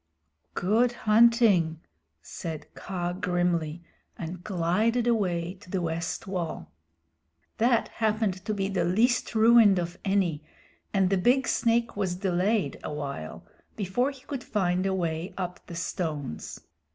"Good hunting," said Kaa grimly, and glided away to the west wall. That happened to be the least ruined of any, and the big snake was delayed awhile before he could find a way up the stones.